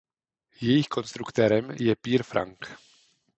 Jejich konstruktérem je Peer Frank.